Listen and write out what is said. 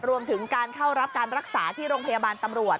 รวมถึงการเข้ารับการรักษาที่โรงพยาบาลตำรวจ